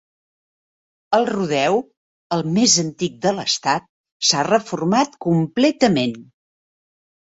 El rodeo, el més antic de l "estat, s"ha reformat completament.